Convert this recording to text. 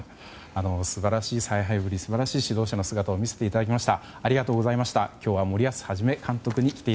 素晴らしい采配ぶり素晴らしい指導者の姿を見せていただきました。